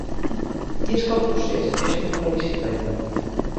I és que el procés és com una bicicleta.